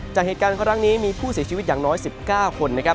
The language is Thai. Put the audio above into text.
จากเหตุการณ์ครั้งนี้มีผู้เสียชีวิตอย่างน้อย๑๙คนนะครับ